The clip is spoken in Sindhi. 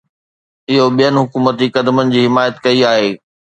اهو ٻين حڪومتي قدمن جي حمايت ڪئي آهي.